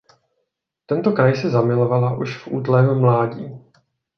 Tento kraj si zamilovala už v útlém mládí.